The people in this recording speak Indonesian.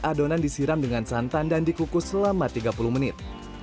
adonan disiram dengan santan dan dikukus selama tiga puluh menit